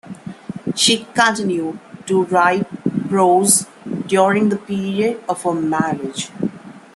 She continued to write prose during the period of her marriage.